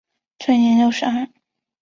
卒年六十二。